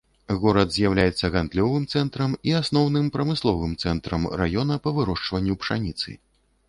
Горад з'яўляецца гандлёвым цэнтрам і асноўным прамысловым цэнтрам раёна па вырошчванню пшаніцы.